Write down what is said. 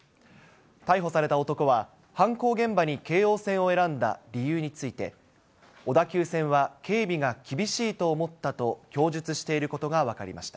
逮捕された男は、犯行現場に京王線を選んだ理由について、小田急線は警備が厳しいと思ったと供述していることが分かりました。